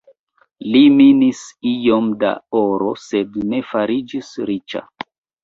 Li minis iom da oro sed ne fariĝis riĉa.